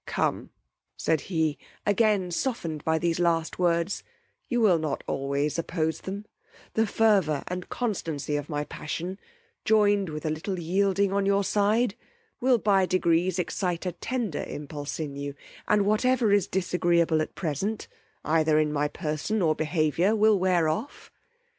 Come, said he, again softened by these last words, you will not always oppose them: the fervor and constancy of my passion, joined with a little yielding on your side, will by degrees excite a tender impulse in you; and whatever is disagreeable at present, either in my person or behaviour, will wear of.